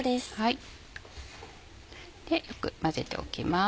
でよく混ぜておきます。